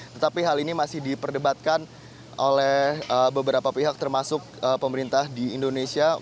tetapi hal ini masih diperdebatkan oleh beberapa pihak termasuk pemerintah di indonesia